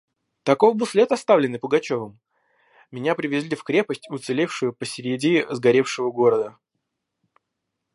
Таков был след, оставленный Пугачевым! Меня привезли в крепость, уцелевшую посереди сгоревшего города.